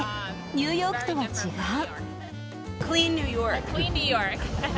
ニューヨークとは違う。